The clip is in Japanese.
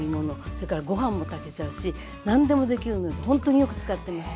それからご飯も炊けちゃうし何でもできるのでほんっとによく使っています。